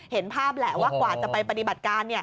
เห็นภาพแหละว่ากว่าจะไปปฏิบัติการ